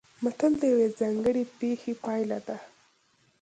متل د یوې ځانګړې پېښې پایله ده